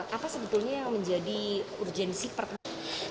apa sebetulnya yang menjadi urgensi pertemuan